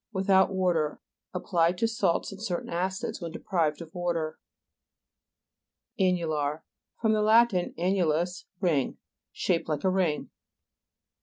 Without water. Ap plied to salts and certain acids when deprived of water. AN'NULAR fr. lat. annulus, ring. Shaped like a ring.